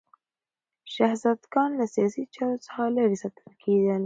شهزادګان له سیاسي چارو څخه لیرې ساتل کېدل.